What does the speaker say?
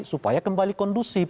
supaya kembali kondusif